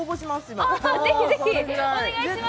今ぜひぜひお願いします！